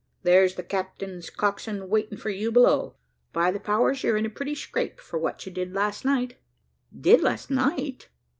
There's the captain's coxswain waiting for you below. By the powers, you're in a pretty scrape for what you did last night!" "Did last night!"